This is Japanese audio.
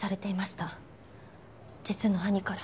実の兄から。